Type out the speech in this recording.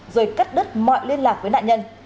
rồi cắt đứt mọi liên lạc với nạn nhân